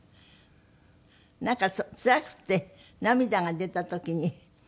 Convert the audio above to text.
なんかつらくて涙が出た時に。